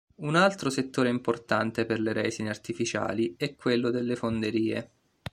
Un altro settore importante per le resine artificiali è quello delle fonderie.